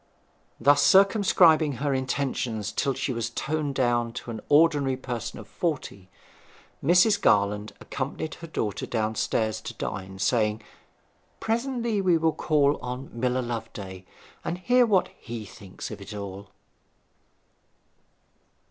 Thus circumscribing her intentions till she was toned down to an ordinary person of forty, Mrs. Garland accompanied her daughter downstairs to dine, saying, 'Presently we will call on Miller Loveday, and hear what he thinks of it all.'